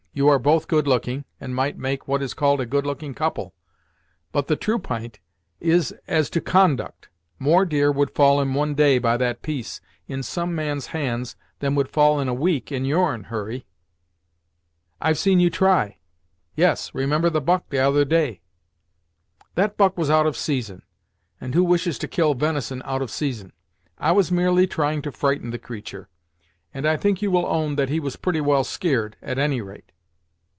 You are both good looking, and might make what is called a good looking couple. But the true p'int is as to conduct. More deer would fall in one day, by that piece, in some man's hands, than would fall in a week in your'n, Hurry! I've seen you try; yes, remember the buck t'other day." "That buck was out of season, and who wishes to kill venison out of season. I was merely trying to frighten the creatur', and I think you will own that he was pretty well skeared, at any rate."